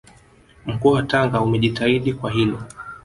Mkoa wa Tanga umejitahidi kwa hilo